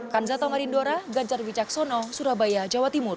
kanzato marindora gajar wijaksono surabaya jawa timur